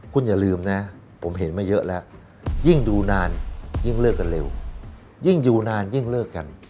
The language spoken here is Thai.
คุณอย่าลืมนะผมเห็นมาเยอะแล้วยิ่งดูนานยิ่งเลิกกันเร็วยิ่งอยู่นานยิ่งเลิกกัน